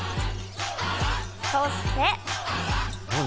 そして。